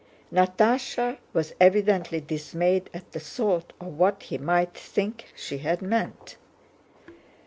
Natásha was evidently dismayed at the thought of what he might think she had meant.